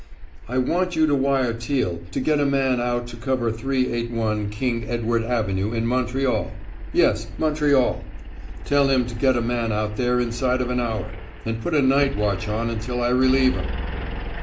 "I want you to wire Teal to get a man out to cover 381 King Edward Avenue, in Montreal. Yes, Montreal. Tell him to get a man out there inside of an hour, and put a night watch on until I relieve 'em."